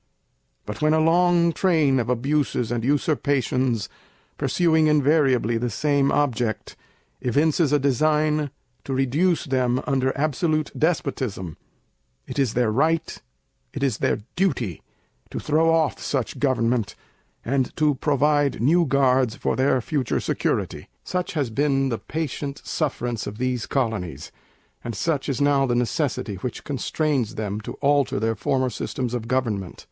But when a long train of abuses and usurpations, pursuing invariably the same Object evinces a design to reduce them under absolute Despotism, it is their right, it is their duty, to throw off such Government, and to provide new Guards for their future security.—Such has been the patient sufferance of these Colonies; and such is now the necessity which constrains them to alter their former Systems of Government.